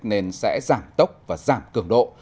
nên sẽ giảm tốc và giảm cường độ